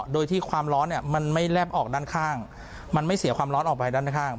โดยที่ความร้อนเนี่ยมันไม่แลบออกด้านข้างมันไม่เสียความร้อนออกไปด้านข้าง